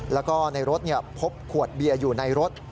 แล้วก็ในรถพบขวดเบียร์อยู่ในรถ